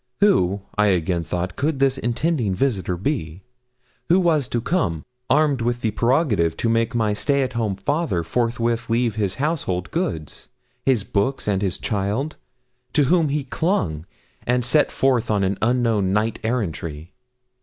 Who, I again thought, could this intending visitor be, who was to come, armed with the prerogative to make my stay at home father forthwith leave his household goods his books and his child to whom he clung, and set forth on an unknown knight errantry?